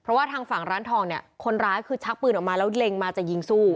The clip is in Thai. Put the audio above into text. เพราะว่าทางฝั่งร้านทองเนี่ยคนร้ายคือชักปืนออกมาแล้วเล็งมาจะยิงสู้